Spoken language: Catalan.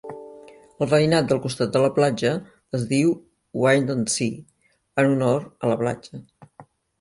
El veïnat del costat de la platja es diu Windansea en honor a la platja.